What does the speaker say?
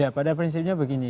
ya pada prinsipnya begini